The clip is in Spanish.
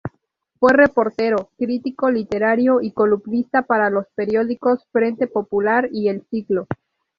Fue reportero, crítico literario y columnista para los periódicos Frente popular y El Siglo.